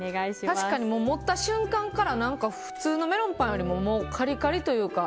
確かに持った瞬間から普通のメロンパンよりカリカリというか。